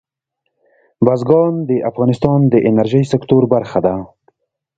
بزګان د افغانستان د انرژۍ سکتور برخه ده.